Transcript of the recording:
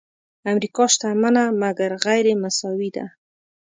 امریکا شتمنه مګر غیرمساوي ده.